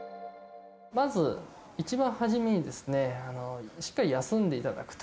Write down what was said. まず一番初めに、しっかり休んでいただくと。